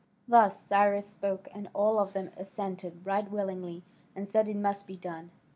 Thus Cyrus spoke, and all of them assented right willingly, and said it must be done.